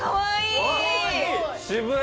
渋い！